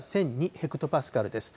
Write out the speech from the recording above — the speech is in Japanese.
ヘクトパスカルです。